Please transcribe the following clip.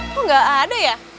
kok gak ada ya